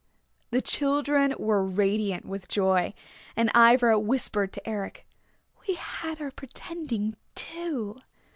The children were radiant with joy. And Ivra whispered to Eric, "We had our pretending, too!"